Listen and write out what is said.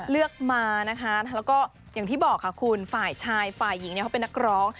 เลือกมานะคะแล้วก็อย่างที่บอกค่ะคุณฝ่ายชายฝ่ายหญิงเนี่ยเขาเป็นนักร้อง